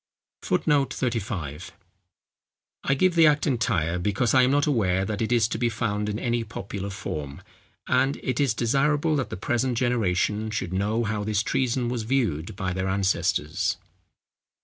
[Footnote 35: I give the Act entire, because I am not aware that it is to be found in any popular form; and it is desirable that the present generation should know how this treason was viewed by their ancestors.